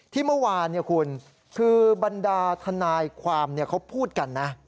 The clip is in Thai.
ที่เมื่อวานคุณคือบรรดาทนายความเขาพูดกันนะ